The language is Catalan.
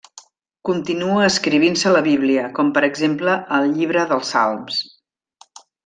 Continua escrivint-se la Bíblia, com per exemple el Llibre dels Salms.